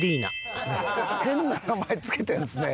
変な名前付けてるんですね。